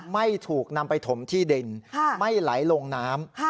ไม่ถูกนำไปถมที่ดินไม่ไหลลงน้ำ